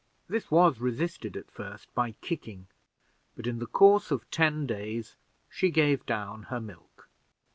This was resisted at first by kicking, but in the course of ten days she gave down her milk.